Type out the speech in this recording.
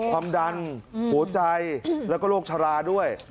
ความดันหัวใจแล้วก็โรคชะลาด้วย